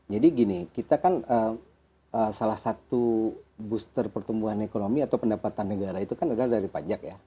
jadi gini kita kan salah satu booster pertumbuhan ekonomi atau pendapatan negara itu kan adalah dari pajak ya